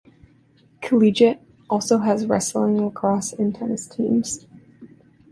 Collegiate also has wrestling, lacrosse, and tennis teams.